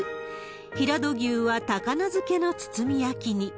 平戸牛は高菜漬けの包み焼きに。